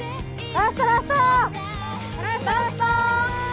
ラスト！